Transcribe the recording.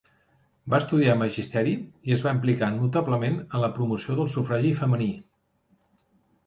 Va estudiar magisteri i es va implicar notablement en la promoció del sufragi femení.